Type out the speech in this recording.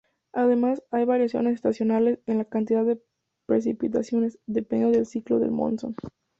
Además, hay variaciones estacionales en la cantidad de precipitaciones, dependiendo del ciclo del Monzón.